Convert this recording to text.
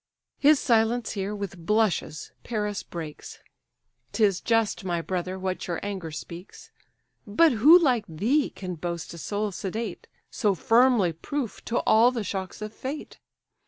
His silence here, with blushes, Paris breaks: "'Tis just, my brother, what your anger speaks: But who like thee can boast a soul sedate, So firmly proof to all the shocks of fate?